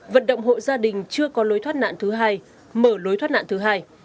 vận động hộ gia đình chưa có lối thoát nạn thứ hai mở lối thoát nạn thứ hai